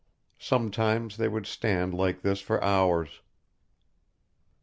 Sometimes they would stand like this for hours.